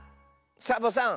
サボさん